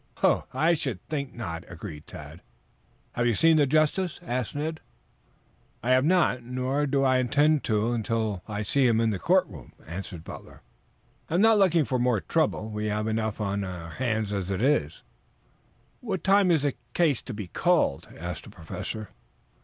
"I should think not," agreed Tad. "Have you seen the justice?" asked Ned. "I have not. Nor do I intend to until I see him in the courtroom," answered Butler. "I am not looking for more trouble. We have enough on hand as it is." "What time is the case to be called?" asked the Professor.